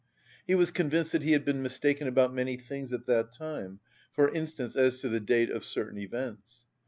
He was convinced that he had been mistaken about many things at that time, for instance as to the date of certain events.